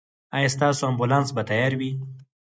ایا ستاسو امبولانس به تیار وي؟